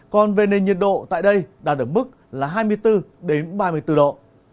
còn về nền nhiệt độ tại đây đã được mức là hai mươi bốn ba mươi bốn độ